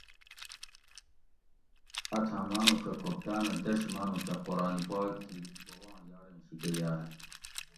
اتھاں مانوڄہ کھوپتاۤنہ دش مانوڄہ قران پاک گی بوباں یاریں شیکہ یاگ